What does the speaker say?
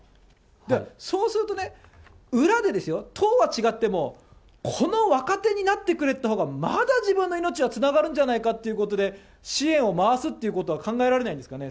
そうするとね、裏で、党は違っても、この若手になってくれたほうが、まだ自分の命はつながるんじゃないかということで、支援を回すっていうことは考えられないんですかね？